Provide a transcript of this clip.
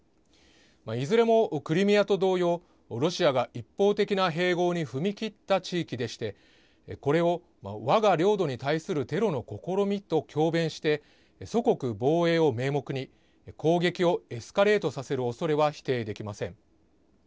いずれもクリミアと同様、ロシアが一方的な併合に踏み切った地域でして、これをわが領土に対するテロの試みと強弁して、祖国防衛を名目に攻撃をエスカレートさせるおそれは否定できません。